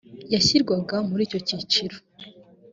yashyirwaga muri icyo cyiciro